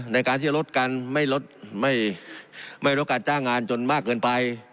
ในการที่จะลดการไม่ลดการจ้างงานจนมากเกินไป